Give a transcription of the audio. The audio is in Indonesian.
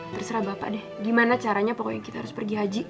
terserah bapak deh gimana caranya pokoknya kita harus pergi haji